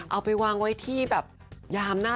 เอาไปวางไว้ที่แบบยามหน้า